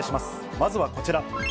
まずはこちら。